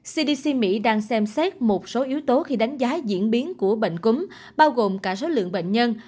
cdc mỹ đang xem xét một số yếu tố khi đánh giá diễn biến của bệnh cúm bao gồm cả số lượng bệnh nhân